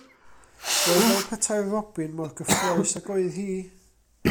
Roedd fel petai'r robin mor gyffrous ag oedd hi.